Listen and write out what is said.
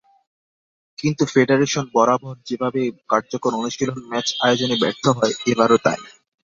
কিন্তু ফেডারেশন বরাবর যেভাবে কার্যকর অনুশীলন ম্যাচ আয়োজনে ব্যর্থ হয়, এবারও তাই।